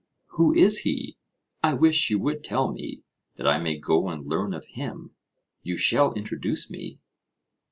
Who is he? I wish you would tell me, that I may go and learn of him you shall introduce me.